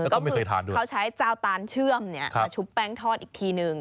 เขาใช้จาวตานเชื่อมเนี่ยมาชุบแป้งทอดอีกทีนึง